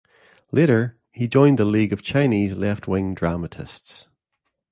Later, he joined The League of Chinese Left-Wing Dramatists.